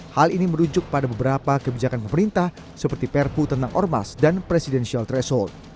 hal ini merujuk pada beberapa kebijakan pemerintah seperti perpu tentang ormas dan presidential threshold